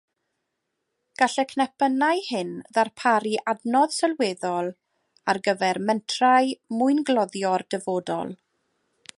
Gall y cnepynnau hyn ddarparu adnodd sylweddol ar gyfer mentrau mwyngloddio'r dyfodol.